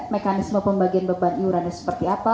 mekanisme pembagian beban iurannya seperti apa